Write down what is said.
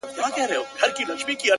o د ماينې مرگ د څنگلي درد دئ٫